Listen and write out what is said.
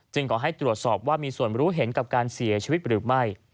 ขอให้ตรวจสอบว่ามีส่วนรู้เห็นกับการเสียชีวิตหรือไม่